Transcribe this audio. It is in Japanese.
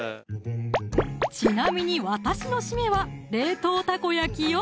ちなみに私のシメは冷凍たこ焼きよ